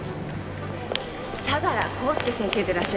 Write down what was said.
相良浩介先生でいらっしゃいますか？